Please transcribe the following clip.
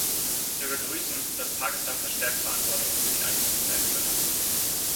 Wir begrüßen, dass Pakistan verstärkt Verantwortung für die eigene Sicherheit übernimmt.